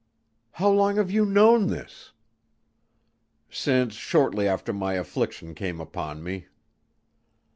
"How long have you known this?" "Since shortly after my affliction came upon me."